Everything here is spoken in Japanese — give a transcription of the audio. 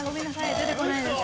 出てこないです。